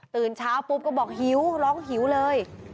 ตื่นเช้าปุ๊บก็บอกหิวร้องหิวเลย